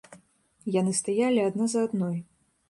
Яны стаялі адна за адной.